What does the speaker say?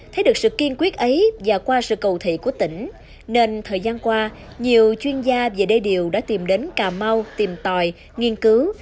thấy được sự kiên quyết ấy và qua sự cầu thị của tỉnh nên thời gian qua nhiều chuyên gia về đê điều đã tìm đến cà mau tìm tòi nghiên cứu